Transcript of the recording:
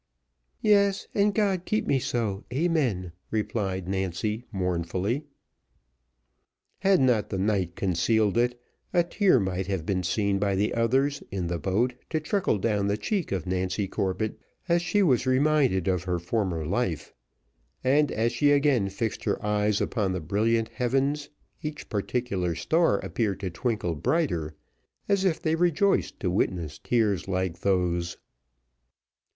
"Yes, and God keep me so, amen," replied Nancy mournfully. Had not the night concealed it, a tear might have been seen by the others in the boat to trickle down the cheek of Nancy Corbett, as she was reminded of her former life; and as she again fixed her eyes upon the brilliant heavens, each particular star appeared to twinkle brighter, as if they rejoiced to witness tears like those.